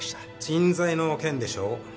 人材の件でしょ？